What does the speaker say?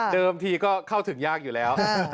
ทีก็เข้าถึงยากอยู่แล้ว